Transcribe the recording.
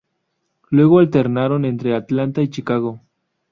Luego alternaron entre Atlanta y Chicago.